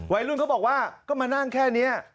ใหวรุ่นเขาบอกว่าก็มานั่งแค่นี้